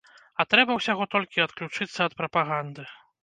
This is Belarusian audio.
А трэба ўсяго толькі адключыцца ад прапаганды.